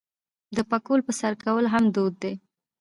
د پکول په سر کول هم دود دی.